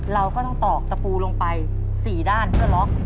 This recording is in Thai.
เราก็ต้องตอกตะปูลงไป๔ด้านเพื่อล็อก